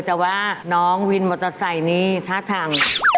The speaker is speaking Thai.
แต่ว่าน้องวินมอเตอร์ไซค์นี้ท่าทาง